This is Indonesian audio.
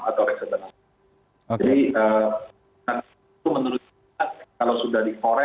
jadi karena itu menurut saya kalau sudah dikorek